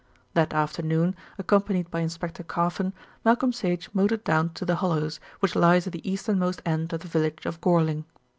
That afternoon, accompanied by Inspector Carfon, Malcolm Sage motored down to "The Hollows," which lies at the easternmost end of the village of Gorling.